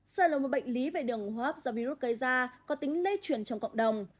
sời là một bệnh lý về đường hốp do virus gây ra có tính lê chuyển trong cộng đồng